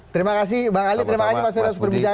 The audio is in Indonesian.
terima kasih pak ali terima kasih pak firdaus